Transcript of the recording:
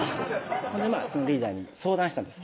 ほんでそのリーダーに相談したんです